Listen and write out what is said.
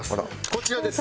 こちらです。